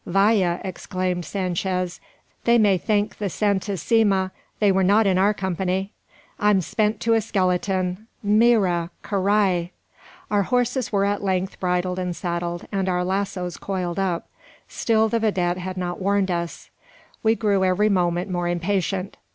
"Vaya!" exclaimed Sanchez; "they may thank the Santisima they were not in our company! I'm spent to a skeleton. Mira! carrai!" Our horses were at length bridled and saddled, and our lassoes coiled up. Still the vidette had not warned us. We grew every moment more impatient.